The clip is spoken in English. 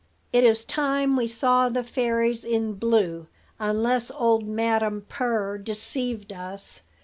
"It is time we saw the fairies in blue, unless old Madam Purr deceived us.